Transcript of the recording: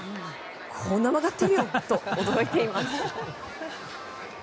こんなに曲がってるよ！と驚いています。